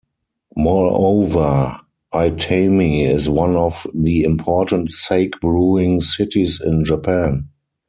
Moreover, Itami is one of the important sake-brewing cities in Japan.